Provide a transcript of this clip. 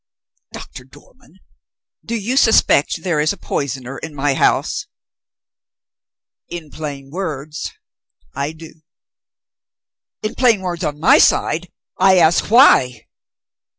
"Doctor Dormann, do you suspect there is a poisoner in my house?" "In plain words, I do." "In plain words on my side, I ask why?"